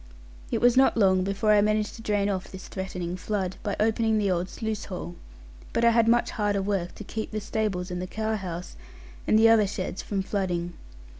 It was not long before I managed to drain off this threatening flood, by opening the old sluice hole; but I had much harder work to keep the stables, and the cow house, and the other sheds, from flooding.